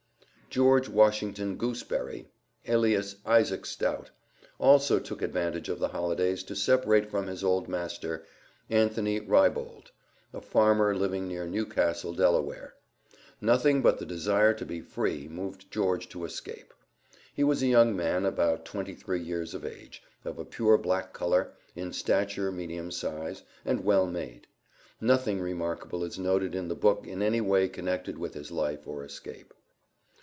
George Washington Gooseberry, alias Isaac Stout, also took advantage of the holidays to separate from his old master, Anthony Rybold, a farmer living near Newcastle, Delaware. Nothing but the desire to be free moved George to escape. He was a young man about twenty three years of age, of a pure black color, in stature, medium size, and well made. Nothing remarkable is noted in the book in any way connected with his life or escape.